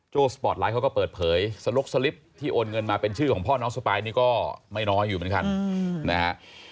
สปอร์ตไลท์เขาก็เปิดเผยสลกสลิปที่โอนเงินมาเป็นชื่อของพ่อน้องสปายนี่ก็ไม่น้อยอยู่เหมือนกันนะฮะ